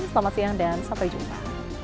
selamat siang dan sampai jumpa